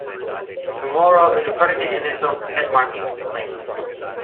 Chamorro is a predicate-initial, head-marking language.